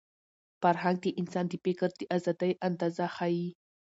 فرهنګ د انسان د فکر د ازادۍ اندازه ښيي.